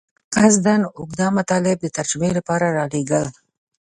قصداً اوږده مطالب د ترجمې لپاره رالېږل.